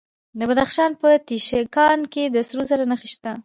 د بدخشان په تیشکان کې د سرو زرو نښې شته.